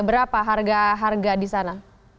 berapa harga harga di sana